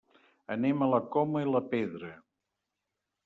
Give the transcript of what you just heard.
Anem a la Coma i la Pedra.